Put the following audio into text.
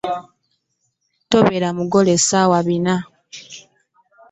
Tubeera baggule ssaawa bina.